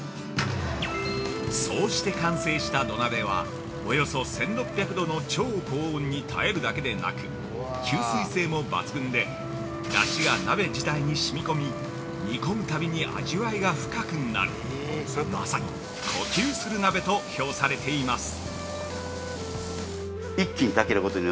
◆そうして完成した土鍋はおよそ１６００度の超高温に耐えるだけでなく吸水性も抜群でだしが鍋自体にしみ込み煮込むたびに味わいが深くなるまさに呼吸する鍋と評されています。